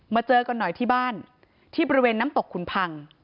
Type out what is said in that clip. เจอกันหน่อยที่บ้านที่บริเวณน้ำตกขุนพัง